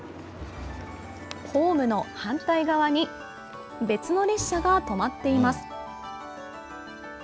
ホームの反対側に、別の列車が止まっています。